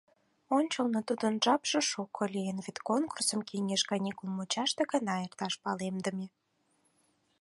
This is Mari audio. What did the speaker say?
Ончылно тудын жапше шуко лийын, вет конкурсым кеҥеж каникул мучаште гына эртараш палемдыме.